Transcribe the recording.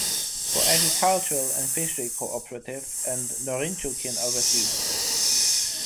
For agricultural and fishery co-operative and Norinchukin, oversees this.